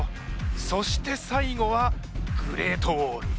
そして最後はグレートウォール。